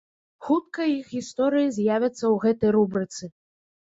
Хутка іх гісторыі з'явяцца ў гэтай рубрыцы.